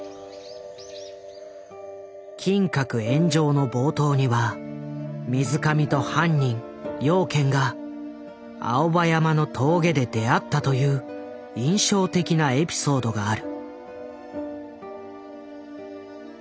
「金閣炎上」の冒頭には水上と犯人・養賢が青葉山の峠で出会ったという印象的なエピソードがある。